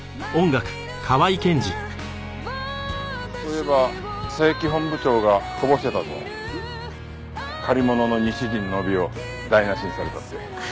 そういえば佐伯本部長がこぼしてたぞ借り物の西陣の帯を台無しにされたって。